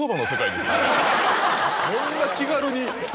そんな気軽に。